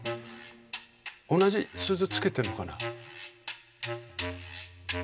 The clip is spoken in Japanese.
同じ鈴つけてるのかな。